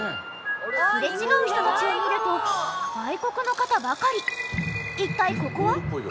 すれ違う人たちを見ると外国の方ばかり。